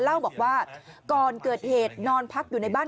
เล่าบอกว่าก่อนเกิดเหตุนอนพักอยู่ในบ้าน